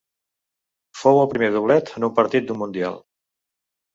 Fou el primer doblet en un partit d'un Mundial.